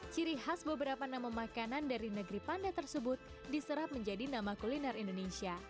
ciri khas beberapa nama makanan dari negeri panda tersebut diserap menjadi nama kuliner indonesia